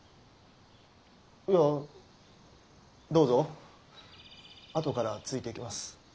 いやどーぞ！後からついていきます。